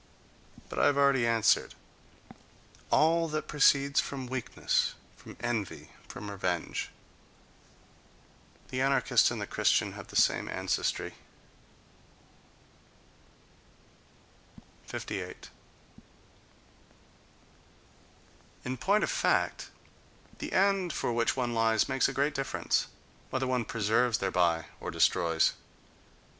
But I have already answered: all that proceeds from weakness, from envy, from revenge.—The anarchist and the Christian have the same ancestry.... Few men are noble. 58. In point of fact, the end for which one lies makes a great difference: whether one preserves thereby or destroys.